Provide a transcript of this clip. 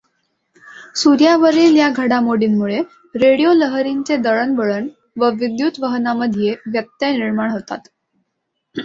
सूर्यावरील ह्या घडामोडींमुळे रेडिओ लहरींचे दळणवळण व विद्युतवहनामध्ये व्यत्यय निर्माण होतात.